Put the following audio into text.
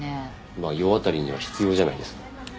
まあ世渡りには必要じゃないですか。